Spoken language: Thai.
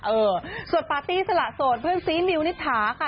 เออส่วนปาร์ตี้สละโสดเพื่อนซีมิวนิถาค่ะ